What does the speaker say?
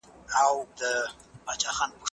دا مډال په ډېر زحمت سره ګټل شوی دی.